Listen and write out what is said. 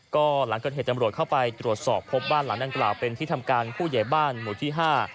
ก็หลังเกิดเหตุจำรวจเข้าไปตรวจสอบพบบ้านหลังดังกล่าวเป็นที่ทำการผู้ใหญ่บ้านหมู่ที่ห้า